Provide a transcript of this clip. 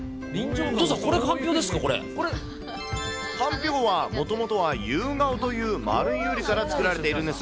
お父さん、かんぴょうはもともとユウガオという丸いウリから作られているんです。